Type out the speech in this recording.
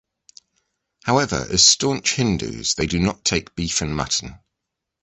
However, as staunch Hindus, they do not take beef and mutton.